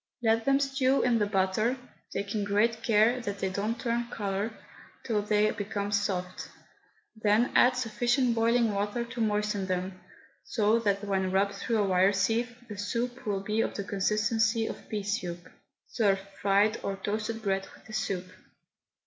Let them stew in the butter (taking great care that they don't turn colour) till they become soft, then add sufficient boiling milk to moisten them, so that when rubbed through a wire sieve the soup will be of the consistency of pea soup. Serve fried or toasted bread with the soup.